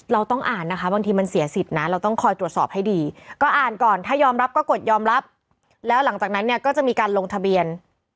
เราต้องอ่านนะคะบางทีมันเสียสิทธิ์นะเราต้องคอยตรวจสอบให้ดีก็อ่านก่อนถ้ายอมรับก็กดยอมรับแล้วหลังจากนั้นเนี่ยก็จะมีการลงทะเบียน